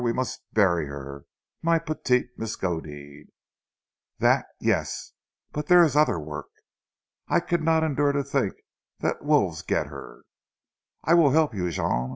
We must her bury; ma petite Miskodeed." "That, yes! But there is other work." "I could not endure to tink dat zee wolves get her " "I will help you, Jean.